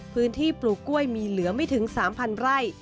พื้นที่ปลูกก้วยมีเหลือไม่ถึง๓๐๐๐ไร่